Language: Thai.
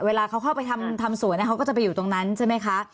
เวลาเขาเข้าไปทำสวนเขาก็จะไปอยู่ตรงนั้นใช่ไหมคะ